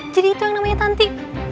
jadi itu yang namanya tanti